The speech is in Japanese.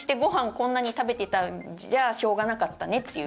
こんなに食べてたんじゃしょうがなかったねっていう。